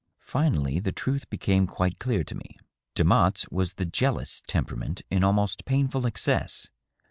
Finally the truth became quite clear to me. De motte's was the jealous temperament in almost painful excess.